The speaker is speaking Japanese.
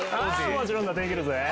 もちろんだできるぜ。